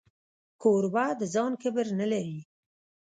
کوربه د ځان کبر نه لري.